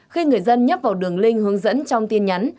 khi người dân nhấp vào đường link hướng dẫn trong tin nhắn